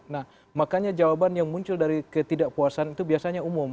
nah makanya jawaban yang muncul dari ketidakpuasan itu biasanya umum